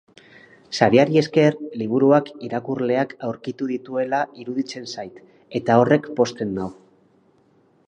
Sariari esker liburuak irakurleak aurkitu dituela iruditzen zait, eta horrek pozten nau.